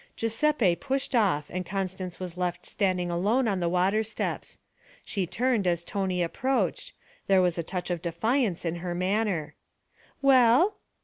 Giuseppe pushed off and Constance was left standing alone on the water steps. She turned as Tony approached; there was a touch of defiance in her manner. 'Well?'